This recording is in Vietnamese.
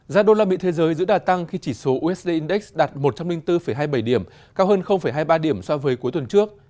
giá đô la mỹ thế giới giữ đà tăng khi chỉ số usd index đạt một trăm linh bốn hai mươi bảy điểm cao hơn hai mươi ba điểm so với cuối tuần trước